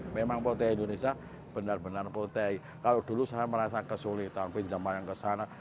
memang potehi indonesia benar benar potehi kalau dulu saya merasa kesulitan pinjam banyak ke sana